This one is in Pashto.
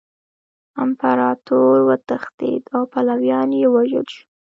امپراطور وتښتید او پلویان یې ووژل شول.